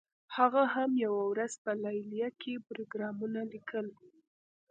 هغه هم یوه ورځ په لیلیه کې پروګرامونه لیکل